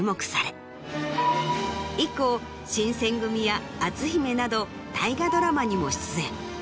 以降『新選組！』や『篤姫』など大河ドラマにも出演。